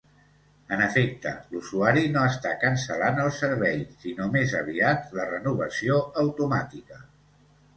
En efecte, l'usuari no està cancel·lant el servei, sinó més aviat la renovació automàtica.